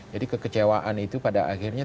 jadi kekecewaan itu pada akhirnya